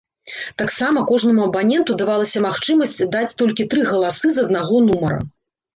Таксама кожнаму абаненту давалася магчымасць даць толькі тры галасы з аднаго нумара.